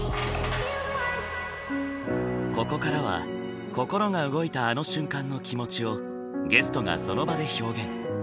ここからは心が動いたあの瞬間の気持ちをゲストがその場で表現。